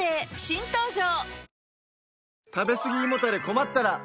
新登場